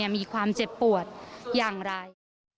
มีความเจ็บปวดอย่างไร